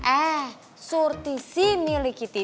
eh surti si milik itu